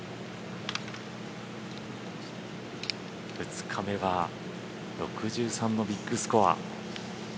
２日目は６３のビッグスコア。